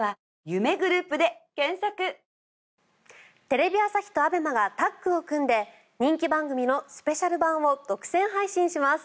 テレビ朝日とＡＢＥＭＡがタッグを組んで人気番組のスペシャル版を独占配信します。